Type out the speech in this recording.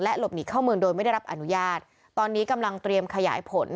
หลบหนีเข้าเมืองโดยไม่ได้รับอนุญาตตอนนี้กำลังเตรียมขยายผล